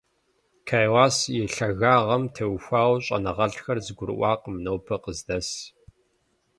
Кайлас и лъагагъым теухуауэ щӀэныгъэлӀхэр зэгурыӀуакъым нобэр къыздэсым.